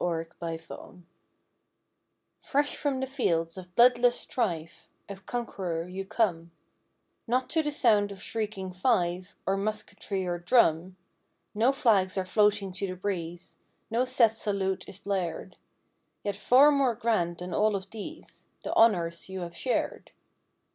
TO THE GRADUATES Fresh from the fields of bloodless strife A conqueror you come; Not to the sound of shrieking fife, ■ Or musketry or drum; No flags are floating to the breeze, No set salute is blared. Yet far more grand than all of these. The honors you have shared.